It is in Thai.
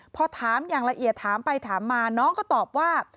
พอถามอย่างละเอียดถามไปถามมาน้องก็ตอบว่า